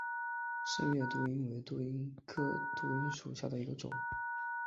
滇越杜英为杜英科杜英属下的一个种。